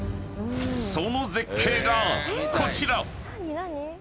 ［その絶景がこちら！］